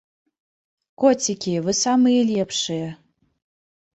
Коцікі, вы самыя лепшыя.